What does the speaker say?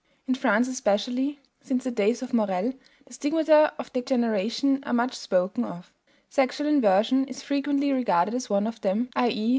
In France especially, since the days of Morel, the stigmata of degeneration are much spoken of. Sexual inversion is frequently regarded as one of them: i.e.